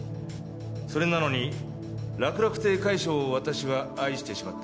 「それなのに楽々亭快笑を私は愛してしまった」